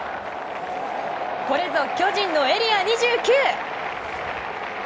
これぞ巨人のエリア２９！